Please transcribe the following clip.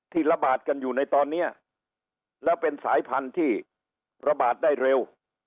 ระบาดกันอยู่ในตอนนี้แล้วเป็นสายพันธุ์ที่ระบาดได้เร็ว